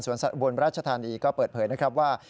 สัตว์อุบลราชธานีก็เปิดเผยนะครับว่า